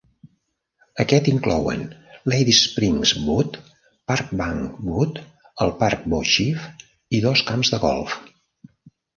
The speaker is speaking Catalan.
Aquest inclouen Ladies'Spring Wood, Parkbank Wood, el Parc Beauchief, i dos camps de golf.